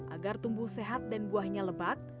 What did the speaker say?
agar tumbuh sehat dan buahnya lebat